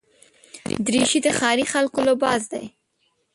دریشي د ښاري خلکو لباس دی.